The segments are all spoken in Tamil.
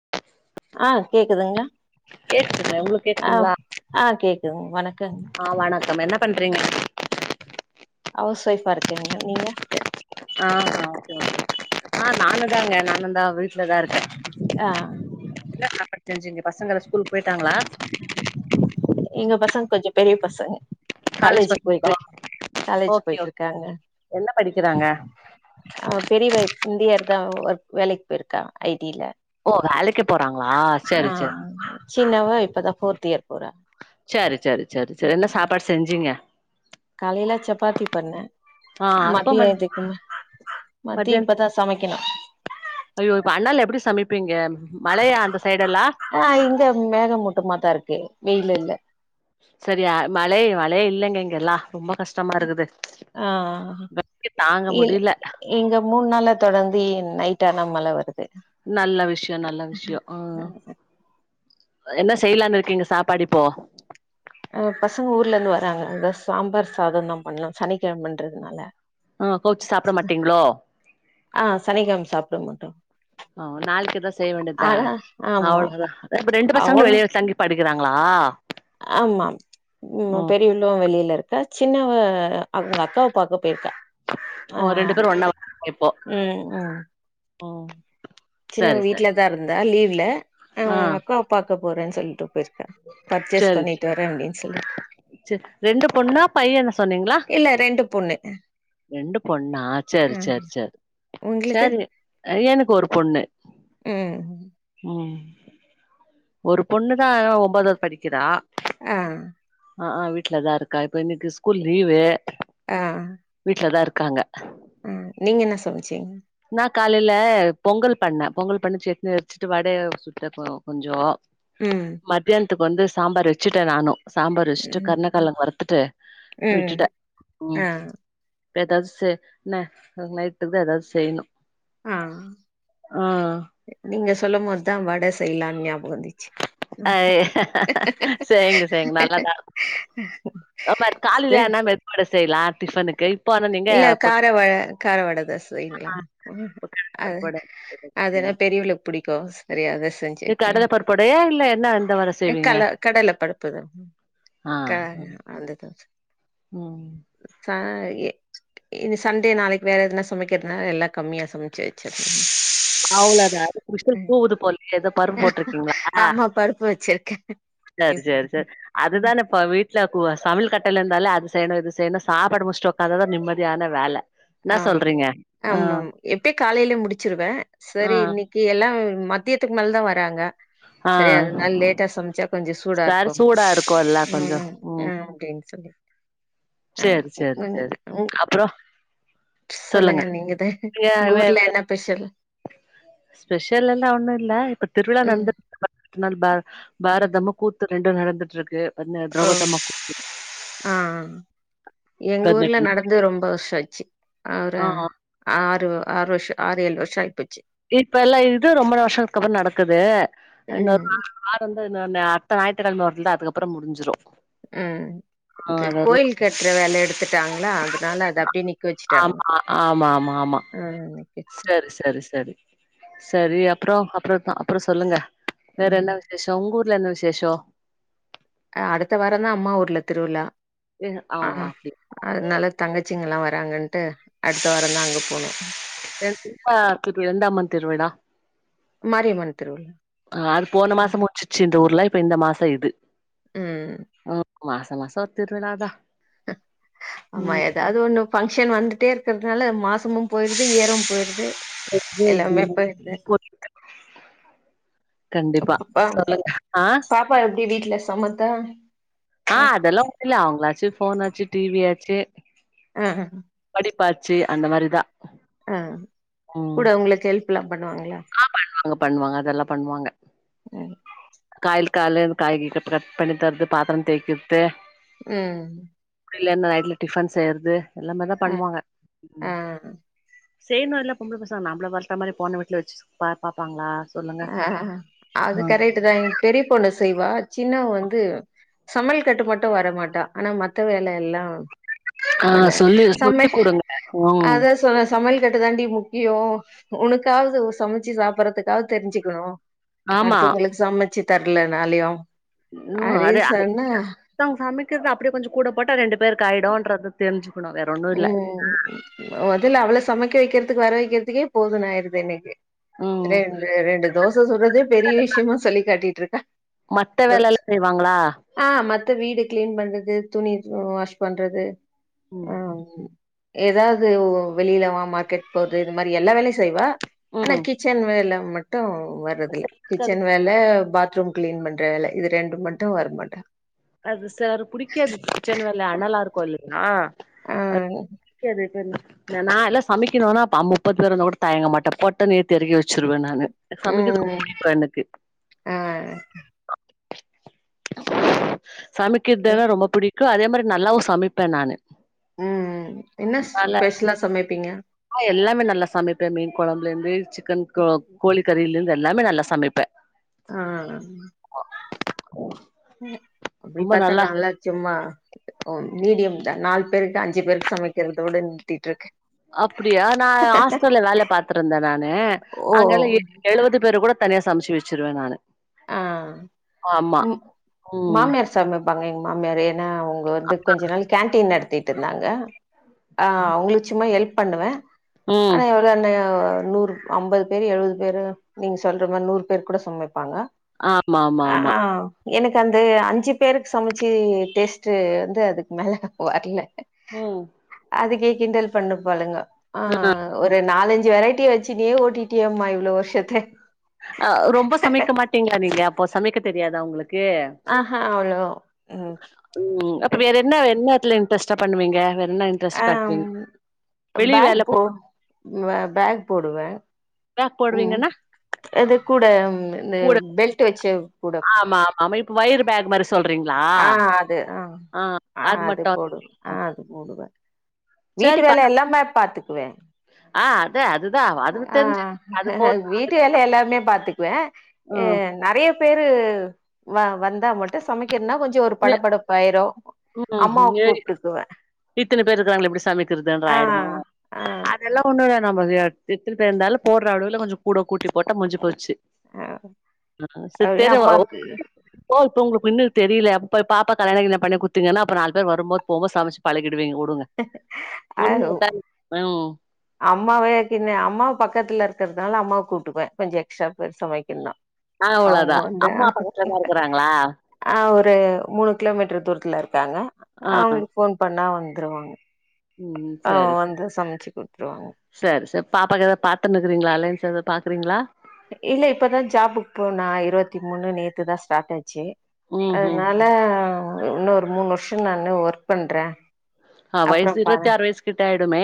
[inaudible] ஆ கேக்குதுங்களா கேக்குதுங்க உங்களுக்கு ஆ கேக்குதுங்களா ஆ கேக்குதுங் வணக்கங் ஆ வணக்கம் என்ன பண்றீங்க ஹவுஸ் வைஃபா இருக்கேங்க நீங்க ஆ ஓகே ஓகே ஆ நானு தாங்க நானுந்தா வீட்ல தா இருக்கே ஆ என்ன சாப்பாடு செஞ்சிங்க பசங்கலா ஸ்கூல் போயிட்டாங்களா [inaudible] எங்க பசங் கொஞ்ச பெரிய பசங் காலேஜ் போயிட்ருக்க காலேஜு ஓகே ஓகே போயிட்ருக்காங்க என்ன படிக்கிறாங்க ஆ பெரியவ இந்தி இயர் தா ஒர்க் வேலைக்கு போயிருக்கா ஐ டி ல ஓ வேலைக்கு போறாங்களா சரி சரி சின்னவா இப்ப தா ஃபோர்த் இயர் போறா சரி சரி சரி சரி என்ன சாப்பாடு செஞ்சீங்க காலையில சப்பாத்தி பண்ணே ஆ அப்ப ம மதியத்துக்கு இன்னு மதிய மத்தியானத் இப்பதா சமைக்கணு ஐயோ இப்ப அனல் எப்டி சமைப்பீங்க மழையா அந்த சைடு எல்லா ஆ இங்க மேக மூட்டமா தா இருக்கு வெயில் இல்ல செரியா‌ மழே மழே இல்லங்க இங்கெல்லா ரொம்ப கஷ் டமா இருக்குது ஆ வெக்க தாங்க இல் முடில இங்க மூண் நாளா தொடர்ந்து நைட் ஆன மழ வருது நல்ல விஷயோ நல்ல விஷயோ ஆ, ம் என்ன செய்யலான்னு இருக்கீங்க சாப்பாடு இப்போ ஆ பசங்க ஊர்ல இருந்து வராங்க அதா சாம்பார் சாததா பண்ணலா சனிக்கெழமண்றதுனால ஆ கவுச்சி சாப்ட்ட மாட்டீங்ளோ ஆ சனிக்கெழம சாப்ட்ட மாட்டோ ஆ நாளைக்கு எதா செய்ய வேண்டி தா ஆனா ஆமா அவ்ளோதா இப்ப ரெண்டு பசங்களு அவங் வெளிய தங்கி படிக்கிறாங்களா ஆமா ம் பெரிய யவளு வெளில இருக்கா சின்னவ அவங்க அக்காவ பாக்க போயிருக்கா ஆ ஓ ரெண்டு பேரு ஒன்னா இப்போ ம் ம் ம் சின்னவ சரி சரி வீட்லதா இருந்தா லீவ்ல ஆ அவங்க அக்காவ பாக்க போறேன்னு சொல்ட்டு போயிரு கா பர்ச்சேஸ் சரி பண்ணிட்டு வரேன் அப்டின்னு சொல்லி ரெண்டு பொண்ணா பையன்னு சொன்னீங்களா இல்ல ரெண்டு பொண்ணு ரெண்டு பொண்ணா ஆ செரி செரி செரி உங்களுக்கு செரிங்க எனக்கு ஒரு பொண்ணு ம் ம் ஒரு பொண்ணுதா ஒன்பதாவது படிக்கிறா ஆ ஆ ஆ வீட்லதா இருக்கா இப்ப இன்னிக்கி ஸ்கூல் லீவு ஆ வீட்லதா இருக்காங்க ஆ நீங்க என்ன சமச்சீங் நா காலையில பொங்கல் பண்ணே பொங்கல் பண்ணு சட்னி வெச்சுட்டு வடைய சுட்ட கொஞ்சோ ம் மத்தியானத்துக்கு வந்து சாம்பார் வெச்சுட்டே நானு சாம்பார் வெச்சிட்டு ம் கருணக்கழங்கு வருத்துட்டு ம் விட்டுட்டே ஆ ம் எப்றோ எதாவது செ நைட்டு தா எதாது செய்யணு ஆ ஆ நீங்க சொல்லும்போதுதா வட செய்யலான்னு ஞாபகோ வந்துச்சு செய்ங்க செய்ங்க நல்லாதா அதே மாரி சரி காலிலன மெதுவட செய்யலா டிஃபனுக்கு ஆனா நீங்க இல்ல இப்ப காரவட காரவடதா செய்யலானு இப்ப கடல அது பருப்பு வட அதுனா செய்ங்க பெரியவளுக்கு புடிக்கு செரி அத செஞ் சு இது கடல பருப்பு வடயா இல்ல என்ன எந்த வட வெக்கலா செய்வீங்க கல கடல பருப்புதா ஆ க அந்த இதா ம் காயே இது சண்டே நாளைக்கு வேற எதுனா சமைக்கிறதுனால எல்லா கம்மியா சமைச்சு வெச்சாச்சு அவ்ளதா விசில் கூவுது போலயே எதோ பருப்பு போட்ருக்கீங்ளா ஆமா பருப்பு வச்சிருக்கே சேரி சேரி சேரி அதுதான இப்ப வீட்ல கூ சமையல் கட்டுல இருந்தாலே அது செய்யணு இது செய்யணு சாப்பாடு முடிச்ட்டு ஒக்காந்தா தா நிம்மதியான வேல இன்ன சொல்றீங்க ஆ எப்பையு காலைலே முடிச்சிருவே ஆ செரி இன்னைக்கு எல்லா மத்தியத்துக்கு மேல தா வராங்க ஆ செரி அதனால் லேட்டா சமைச்சா கொஞ்ச சூடா சரி இருக்கும் சூடா இருக்குல்ல கொஞ்சோ ம் ஆ அப்டின் சொல்லி ஆ சேரி சேரி ம் சேரி ம் அப்றோ சொல்லுங்க நீங்கதா நீங்க உங்க வே ஊர்ல வே என்ன பெஷல் ஸ்பெஷல் எல்லா ஒன்னு இல்ல இப்ப திருவிழா ம் நடந்துட்ருக்கு ட்த்த நாள் பா பாரதமு கூத்து ரெண்டு நடந்துட்ருக்கு ஓ ஆ எங்க ஊர்ல பதினெட்டு நாள் நட ந்தே ரொம்ப வர்ஷ ஆச்சு ஆ ஒரு ஆறு ஆறு வர்ஷ ஆறேழு வர்ஷ ஆயிப்போச்சு இப்ப எல்லா இது ரொம்ப வர்ஷத்துக்கு அப்பற நடக்குது அ இன்னொரு ம் ஆரம்ப இன்னொன்னு அட்த்த ஞாயித்துக்கெழம வந்தா அதுக்கப்பற முடிஞ்சுரு ம் இது கோயில் கட்ற வேல எடுத்துட்டாங்ளா அதனால அது அப்டியே நிக்க வச்சுட்டாங்க ஆமாம்மாம்மா ஆ இன்ன கேட்ட செரி செரி செரி செரி அப்றோ அப்றோந்தா அப்றோ சொல்லுங்க வேற என்ன விசேஷ ஒங் ஊர்ல என்ன விசேஷ ஆ அடுத்த வாரந்தா அம்மா ஊர்ல திருவிழா ம் ம் ஆமா அப்டியே அதுனால தங்கச்சிங்கலா வராங்கன்ட்டு அடுத்த வாரந்தா அங்க போணு என் [unintelligible] இப்ப இது எந்த அம்மன் திருவிழா மாரியம்மன் திருவிழா ஆ அது போன மாசமு சிச்சி இந்த ஊர்ல இப்ப இந்த மாச இது ம் அ மாச மாச திருவிழாதா ஆமா எதாவ்து ஒன்னு ஃபங்க்ஷன் வந்துட்டே இருக்கிறதுனால மாசமும் போயிருது இயரும் போயிருது [unintelligible] கண்டிப்பா சொல்லுங்க ஆ க்கா எப்டி வீட்ல சமத்தா ஆ அதெல்லா ஒன்னுல்ல அவ்ங்களாச்சு ஃபோனாச்சு டி வி யாச்சு ஆ ஹ படிப்பாச்சு அந்த மாரிதா ஆ கூட ஒங்களுக்கு ஹெல்ப்லா பண்ணுவாங்களா ஆ பண்ணுவாங்க அவ்ங்க பண்ணுவாங்க அதெல்லா பண்ணுவாங்க ம் காய்லு கால்லே எனக்கு காய்கறி கட் கட் பண்ணி தரது பாத்தர தேய்கற்து ம் அப்டி இல்லாம நைட்ல டிஃபன் செய்யற்து எல்லாமே தா ஆ பண்ணுவாங்க ம் ஆ செய்ணுல்ல பொம்பள பசங்க நம்பள வளத்தமாரி போன வீட்ல வெச்சு பா பாப்பாங்ளா அ அது கரெக்ட்டு தா எ பெரிய பொண்ணு செய்வா சின்னவ வந்து சமயல் கட்டு மட்டு வரமாட்டா ஆனா மத்த வேல எல்லா ஆ பண்ண சொல்லி சம்மெ சொல்லி குடுங்க ம் அத சொல்லஸ் சமையல் கட்டுதாண்டி முக்கியோ உனக்காவ்து சமச்சி சாப்பறத்துக்காவ் தெரிஞ்சிக்கணு ஆமா அடுத்தவங்களுக் சமச்சி தர்லனால்யு உ அது அறைக் சம் சமைக்கிற்து அப்படே கொஞ்சு கூட போட்டா ரெண்டு பேர்க்காய்டோன்றது தெஞ்சிக்குணு வேற ஒன்னு இல்ல முதல அவ்வளவு சமைக்க வைக்கிறதுக்கு வர வைக்கிறதுக்கே போதும் ஆடுது எனக்கு ம் ரெண்டு ரெண்டு தோசை சுட்றதே பெரிய விஷயமா சொல்லி காட்டிட்ருக்கா மத்த வேலலா செய்வாங்ளா ஆ மத்த வீடு க்ளீன் பண்ணுது துணி தூ வாஷ் பண்றது ஆ உம் ஏதாவது ஓ வெளியிலவா மார்க்கெட் போகுது இது மாதிரி எல்லா வேலையும் செய்வா ஆனா ம் கிச்சன் வேல மட்டு வரதுல்ல கிச்சன் வேல பாத்ரூம் க்ளீன் பண்ற வேல இது ரெண்டுமட்டு வர்மாட்டா அது சார் புடிக்காது இச்சன் வேல அனலா இருக்கு இல்லுங்கா ஆ அ சரி சரி எ நா எல்லா சமிக்கணுனா பா முப்பது பேர் வந்தா கூட தயங்கமாட்ட பொட்டுனு தெரிகி வச்சிருவே நானு ம் சமைக்கிற்து ப என்னுக்கு ஆ எ சமக்கிற்தென்னா ரொம்ப பிடிக்கு அதே மாரி நல்லாவு சமைப்பே நானு ம்ம் என்னஸ் நல்லா ஸ்பெஷ்லா சமைப்பீங்க எல்லாமே நல்லா சமைப்பே மீன் கொழம்புல இருந்து சிக்கன் க்லோக் கோழிக்கறில இந்து எல்லாமே நல்லா சமைப்பே [inaudible] ஆ அன் [inaudible] ம் அப்டி ரொம்ப பாத்தா நல்லா நாலா ச்சும்மா ஓ மீடியம் தா நால் பேருக்கு அஞ்சி பேருக்கு சமைக்கற்தோட நிறுத்திட்ருக்கே அப்படியா நா ஹாஸ்டல்ல வேல பாத்துருந்தே நானு ஓ அங்கல்லா எ எழுவது பேரு கூடத் தனியா சம்ச்சி வச்சிருவே நானு ஆ ஆமா உ ம் மாம்யார்ஸ் சமைப்பாங்க எங் மாமியாரு ஏனா அவுங்க வந்து கொஞ்ச நாள் கேன்டீன் நடத்திட்ருந்தாங்க ஆ அவ்ங்க்ளு ச்சும்மா ஹெல்ப் பண்ணுவே ம் ஆனா யோல் ரன்னயா நூறு அம்பது பேர் எழுவது பேரு நீங் சொல்ற மார் நூற் பேர் கூட சமைப்பாங்க ஆ மாம் அ ஆ எனக்கு அந்து அஞ்சு பேருக் சமச்சி டேஸ்ட்டு வந்து அதுக்கு மேல வர்ல ம் அதுக்கே கிண்டல் பண்ணு பாளுங்க ஆ ஒரு நாலஞ்சு வெரைட்டிய வச்சுனே ஓட்டிட்டியேமா அம்மா இவ்ளோ வர்ஷத்தே அ ரொம்ப சமைக்க மாட்டீங்ளா நீங்க அப்போ சமைக்க தெரியாதா உங்களுக்கு ஆஹா அவ்ளோ ம். உம் அப்ப வேற என்ன என்னத்துல இன்ட்ரெஸ்ட்டா பண்ணுவீங்க வேற் என்னன் அம் அ பேக் போ வ பேக் போடுவே பேக் உம் போடுவீங்கன்னா அது கூட இந்த கூட பெல்ட் வச்ச கூட ஆமா ஆமா இப்ப வையிரு பேக் மாரி சொல்றீங்ளா ஆ அது ஆ அது மட்டு ஆ அது கூடுவ வீட்டு சரிப்பா வேல எல்லாமே பார்த்துக்குவே ஆ அத அதுதா அதுக்கு ஆ தெரிஞ்சு அது போது வீட்டு வேலை எல்லாமே பாத்துக்குவே அ ம் நிறைய பேரு வ வந்தா மட்டு சமைக்கிறதுன்னா கொஞ்சோ ஒரு நெ படப்படப்பாயிரு ம் அம்மாவ ம் ஏய் கூப்ட்டுக்குவே இத்தனை பேரு இருக்கிறாங்க எப்டி சமைக்கதுன்ற ஆ ஆயிடுமா ஆ அதெல்லா ஒன்னு இல்ல நம்ம எ எத்தின பேருந்தாலு போடற அளவுல கொஞ்சோ கூட கூட்டி போட்டா முஞ்ச போச்சு ஆ ஆ அப்டியே சித்திருவே அம்மாக்கு ஓ இப்ப உங்களு பின்னு தெரியலப்ப பாப்பா கல்யாண கில்யாண பண்ணிக் குடுத் திங்கன்னா அப்ப நாலு பேர் வருபோது போ போது சமச்சு பழகிடுவீங்க வுடுங்க அது உண்மதான் ம் அம்மாவே கின்ன அம்மாவு பக்கத்துல இருக்கிறதுனால அம்மாவ கூப்டுக்குவே கொஞ்சோ எக்ஸ்ட்ரா பேரு சமைக்கிறனா அவ்ளோதா அம்மா பக்கத்துல தா இருக்குறாங்களா ஆ ஒரு மூணு கிலோமீட்டர் தூரத்துல இருக்காங்க ஆ அவுங்களுக்கு ஃபோன் பண்ணா வ ந்திருவாங்க ம் ஆ வந்து சமச்சு குடுத்துருவாங்க சேரி சேரி பாப்பாக்கு ஏதாவ் பாத்துனுக்கீங்களா அலைன்ஸ் எதாவது பாக்குறீங்களா இல்ல இப்பதா ஜாபுக்கு போனா இருவத்தி மூணு நேத்து தா ஸ்டார்ட் ஆச்சு ம் ம் அதனால ம் உன்னு ஒரு மூணு வருஷோ நானு ஒர்க் பண்றே ஆ அப்புறோ வயசு இருவத்தி பாரே ஆறு வயசு கிட்ட ஆயிடுமே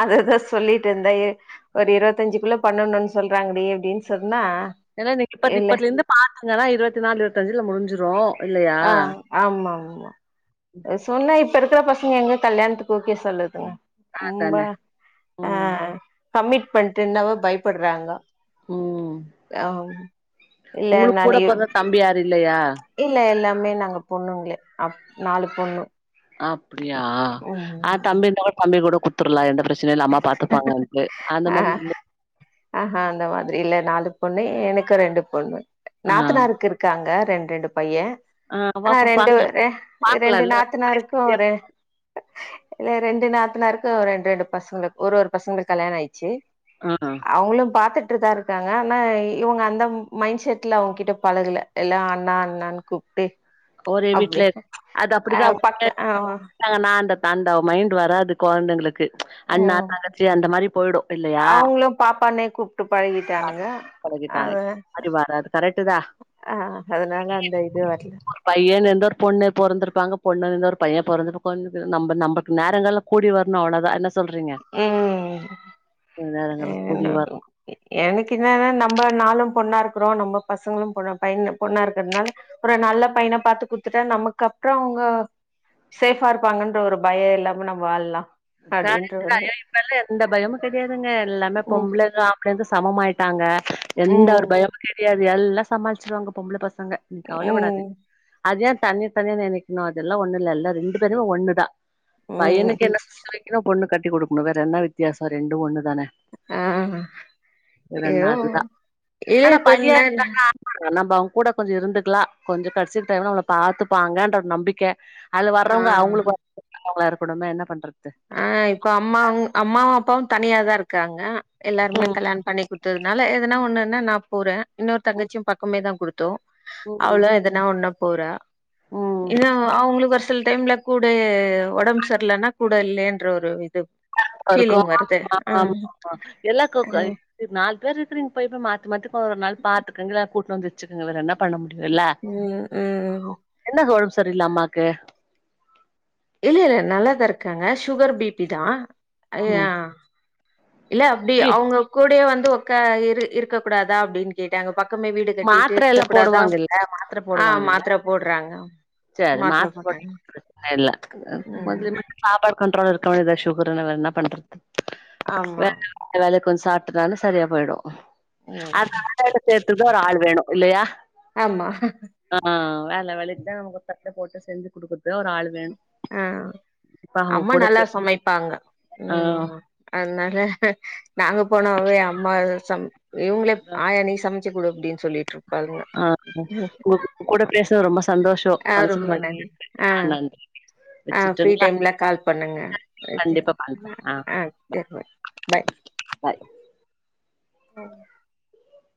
அததா சொல்லிட்டு இருந்தே எ ஒரு இருவத்தஞ்சுகுள்ள பண்ணணுனு சொல்றாங்கடி அப்டினு சொன்னா ஏனா நீங்க இப்பத் இல்ல இப்பத்துல இருந்து பாத்தீங்கனா இருவத்தி நாலு இருவத்திஞ்சுல முடிஞ்சுரு அ ஆமா ஆமா சொன்னா இப்ப இருக்கற பசங்க எங்க கல்யாணத்துக்கு ஓகே சொல்லுதுங்க ரொம்ப அதானே ஆ ம் கம்மிட் பண்ட்டு என்னவோ பயப்படுறாங்க ம் ஆ ம் உங்களுக்கு கூட பொறந்தா தம்பி யாரு இல்லயா இல்ல எல்லாமே நாங்க பொண்ணுங்களே அப் நாலு பொண்ணு அப்டியா ம் ஆ தம்பி இருந்தா கூட தம்பி கூட குத் துரலா எந்த பிரச்சனயு இல்ல அம்மா பாத்துப்பாங்கட்டு அந்த மாரி இல்ல அ ஹ அந்த மாதிரி இல்ல நாலு பொண்ணு எனக்கு ரெண்டு பொண்ணு ஆ நாத்தநாருக்கு இருக் க்காங்க ரெண் ரெண்டு பையே ஆ ஆனா பாப்பா ரெண்டு பாக் அ ரெண்டு பாக்கலால்ல நாத்தனாருக் கு ஒரு ரெண்டு நாத்தனாருக்கு ரெண் ரெண்டு பசங்க ஒரு ஒரு பசங்களுக்கு கல்யாண ஆயிச்சு ஆ அவுங்களு பாத்துட்டுதா இருக்காங்க ஆனா இவுங்க அந்த மைண்ட் செட்ல அவுங்க கிட்ட பழகல எல்லா அண்ணா அண்ணானு கூப்ட்டே ஒரே வீட்ல அது அப்டிதா பக்க ஆ தான்னா அந்த தாண்டவ மைண்ட் வராது கொழந்தைங்களுக்கு அண்ணா தங்கச்சி அந்த மாரி போய்டு அவுங்களு பாப்பானே கூப்பிட்டு பழகிட்டானுங்க அத கரெக்டு தா ஆ அதுனால அந்த இது வரல பையன்னு இருந்த ஒரு பொண்ணு பொறந்திருப்பாங்க பொண்ணுன்னு இருந்தா ஒரு பைய பொறந்திருப்பாங்க நம்ம நமக்கு நேரங்கலோ கூடி வரணு‌ அவ்வுளோவதா என்ன சொல்றீங்க ம் நேரங்கால கூடி வர எனக்கு என்னனா நம்ம நாலும் பொண்ணா இருக்கறோ நம்ம பசங்களு பொண்ண பைய பொண்ணா இருக்றதுனால ஒரு நல்ல பையனா பாத்து குடுத்துட்டா நமக்கு அப்றோ அவ்ங்க சேஃபா இருப்பாங்கன்ற ஒரு பயோ இல்லாம நம்ம வாழலா அப்டின்ற காலேஜ்லதா ஒரு இப்பல்லா எந்த பயமு கெடையாதுங்க எல்லாமே ம் பொம்பள தா [unintelligible] சமமாயிட்டாங்க எந்த ஒரு ம் பயமு கெடையாது எல்லா சமாளிச்சிருவாங்க பொம்பள பசங்க நீ ம் கவலபடாதிங்க அது ஏ தனி தனியா நெனைக்கணு அதெல்லா ஒன்னு இல்ல ரெண்டு பேருமே ஒன்னுதா ம் பையனுக்கு என்ன சொத்து வைக்கணு பொண்ணு கட்டி குடுக்கணு வேற என்ன வித்தியாசோ ரெண்டு ஒன்னு தானே ஆ வேறென்ன ஐயோ அதுதா இல்ல ஆனா இப்ப பையே என்ன இருந்தானா நம்ம அவுங்க கூட கொஞ்சோ இருந்துக்கலா கொஞ்சோ கடச்சி டைம்ல நம்மள பாத்துப்பாங்கன்ற ஒரு நம்பிக்க அதுல வர்றவுங்க ஆ அவுங்களுக்கு [unintelligible] இருக்கனுமே என்ன பண்றது ஆ இப்போ அம்மாவு அப்பாவு தனியாதா இருக்காங்க எல்லாருமே ம் கல்யாண பண்ணி குடுத்ததுனால எதுனா ஒன்னுன்னா நா போறே இன்னொரு தங்கச்சியு பக்கமே தா குடுத்தோ ம் ம் அவளு எதனா ஒன்னுனா போறா ம் இன்னு அவு அவுங்களுக்கு ஒரு சில டைம்ல கூடயே ஒடம் செர்ல்லனா கூட இல்லயேன்ற ஒரு இது இருக்கு பீலிங் வருது ஆ நால் பேரு இருக்குறீங் போய் போய் மாத்து மாத்தி ஒரு நாள் பாத்துக்கங்க கூட்வந்து வெச்சீக்கங்கள வேற என்ன பண்ண முடியுல்ல ம் ம் என்னது ஒடம்பு செரியில்ல அம்மாக்கு இல்ல இல்ல நல்லாதா இருக்காங்க சுகர் பி பி தா ம் இல்ல அப்டி பி அவுங்க கூடவே வந்து ஓக்கா இரு இருக்க கூடாதா அப்டின்னு கேட்டாங்க பக்கமே வீடு கட்டிட்டு மாத்திர இருக்க எல்லா கூடாதா போடுவாங்கல்ல ஆ மாத்திர போட்றாங்க சேரி மாத்திர போட்டிங்கன பிரச்சன இல்ல ம் [unintelligible] சாப்பாடு கண்ரோல் இருக்க வேண்டியதா சுகருனா வேற என்ன பண்றது ஆமா வேற வேல கொஞ்சோ சாப்பிட்டனாலே சரியா போயிடு ம் [unintelligible] ஒரு ஆளு வேணு இல்லயா ஆமா ஆ வேல வேலைக்குதா ஒரு தட்ட போட்டு செஞ்சு குடுக்குறதுக்கு ஒரு ஆளு வேணு ஆ இப்ப அவங்க அம்மா கூட நல்லா பே சமைப்பாங்க ஆ ம் அதனால நாங்க போனவே அம்மா சம இவங்களே அதா ஆயா நீ சமச் ச்சுக்குடு அப்டின்னு சொல்லிட்டு இரு பாங்க ஆ உங்க கூட பேசுனது ரொம்ப சந்தோஷோ ஆ மனசுக்கு ரொம்ப நெறைவா நன்றி ஆ நன்றி ஆ ஃப்ரீ வச்சுட்டுங்களா டைம்ல கால் பண்ணுங்க கண்டிப்பா பண்றே ஆ [inaudible] பாய் ஆ